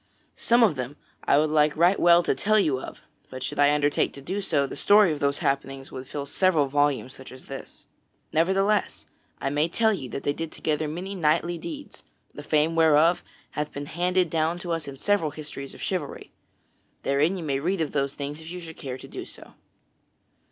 Some of them I would like right well to tell you of, but should I undertake to do so, the story of those happenings would fill several volumes such as this. Nevertheless, I may tell you that they did together many knightly deeds, the fame whereof hath been handed down to us in several histories of chivalry. Therein you may read of those things if you should care to do so.